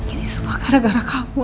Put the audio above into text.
ini semua gara gara kamu